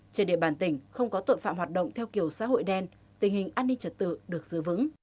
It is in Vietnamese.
trên địa bàn tỉnh không có tội phạm hoạt động theo kiểu xã hội đen tình hình an ninh trật tự được giữ vững